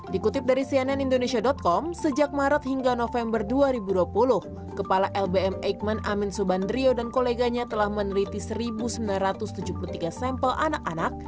dikutip dari cnn indonesia com sejak maret hingga november dua ribu dua puluh kepala lbm eijkman amin subandrio dan koleganya telah meneliti satu sembilan ratus tujuh puluh tiga sampel anak anak